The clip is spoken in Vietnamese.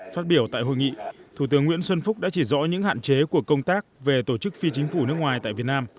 phát biểu tại hội nghị thủ tướng nguyễn xuân phúc đã chỉ rõ những hạn chế của công tác về tổ chức phi chính phủ nước ngoài tại việt nam